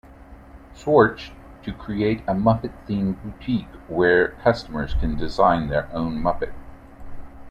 Schwarz, to create a Muppet-themed boutique where customers can design their own Muppet.